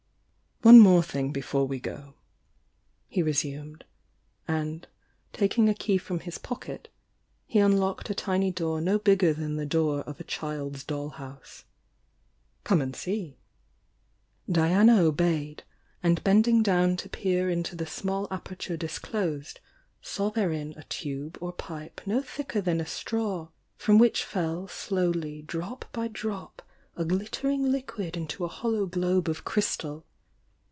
"One more thing before we go," he resumed, and, taking a key from his pocket, he unlocked a tiny door no bigger than the door of a child's doll house. "Come and see!" Diana obeyed, and bending down to peer into the small aperture disclosed, saw therein a tube or pipe no thicker than a straw, from which fell slowly drop by drop a glittering liquid into a hollow globe of crystal.